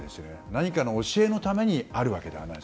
何かの教えのためにあるわけじゃない。